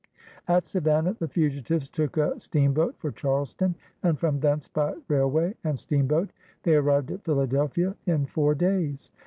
At Savannah, the fugitives took a steam boat for Charleston, and from thence, by railway and steamboat, they arrived at Philadelphia in four days.